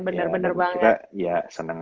bener bener banget ya kita ya seneng